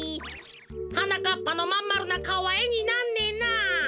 はなかっぱのまんまるなかおはえになんねえな。